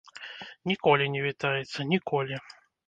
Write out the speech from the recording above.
Ніколі не вітаецца, ніколі.